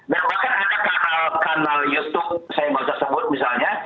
dan bahkan ada kanal youtube saya mau tersebut misalnya